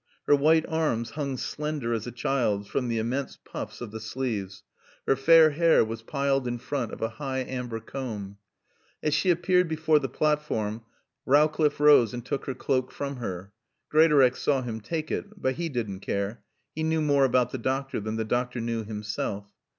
Her white arms hung slender as a child's from the immense puffs of the sleeves. Her fair hair was piled in front of a high amber comb. As she appeared before the platform Rowcliffe rose and took her cloak from her (Greatorex saw him take it, but he didn't care; he knew more about the doctor than the doctor knew himself).